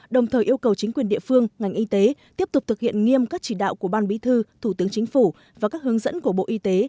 đồng thời yêu cầu chính quyền địa phương ngành y tế tiếp tục thực hiện nghiêm các chỉ đạo của ban bí thư thủ tướng chính phủ và các hướng dẫn của bộ y tế